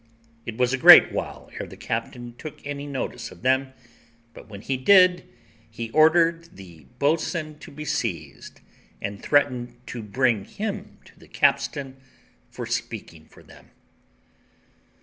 It was a great while ere the captain took any notice of them, but when he did, he ordered the boatswain to be seized, and threatened to bring him to the capstan for speaking for them.